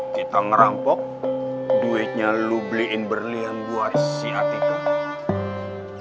kita ngerampok duitnya lu beliin berlian buat si hatiku